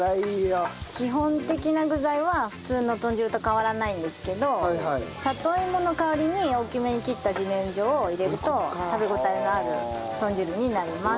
基本的な具材は普通の豚汁と変わらないんですけど里芋の代わりに大きめに切った自然薯を入れると食べ応えのある豚汁になります。